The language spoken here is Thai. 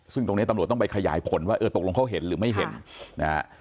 ซึ่งตรงนี้ตำรวจต้องไปขยายผลว่าเออตกลงเขาเห็นหรือไม่เห็นนะฮะ